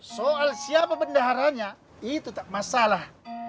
soal siapa bendaharanya itu tak masalah